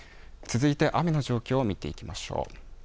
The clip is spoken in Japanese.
続いて、雨の状況を見ていきましょう。